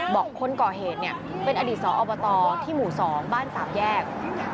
บอกคนก่อเหตุเนี่ยเป็นอดีตสออบตที่หมู่สอมบ้านสามแยก